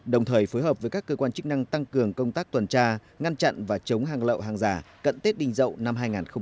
đồng thời phối hợp với các cơ quan chức năng tăng cường công tác tuần tra ngăn chặn và chống hàng lậu hàng giả cận tết đình dậu năm hai nghìn hai mươi